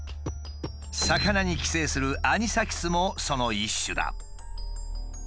魚に寄生するアニサキスもその一種だ。